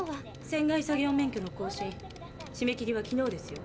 船外作業免許のこう新しめ切りは昨日ですよ。